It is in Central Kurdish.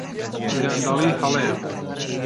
گەندەڵی هەڵەیە.